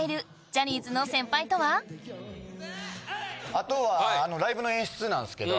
あとはライブの演出なんですけど。